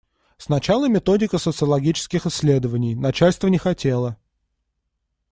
Сначала методика социологических исследований, начальство не хотело.